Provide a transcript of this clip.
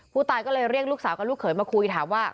ผู้ตายก็เลยเรียกลูกสาวกับลูกเขยมาคุยถามว่า